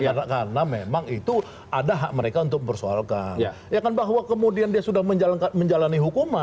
karena memang itu ada hak mereka untuk persoalkan ya kan bahwa kemudian dia sudah menjalankan menjalani